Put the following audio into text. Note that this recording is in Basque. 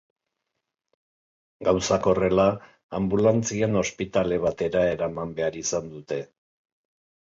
Gauzak horrela, anbulantzian ospitale batera eraman behar izan dute.